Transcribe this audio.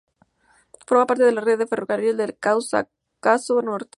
Forma parte de la red del ferrocarril del Cáucaso Norte.